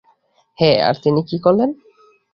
হ্যাঁ, আর তিনি কী করলেন?